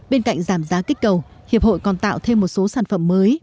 bên cạnh giảm giá kích cầu hiệp hội còn tạo thêm một số sản phẩm mới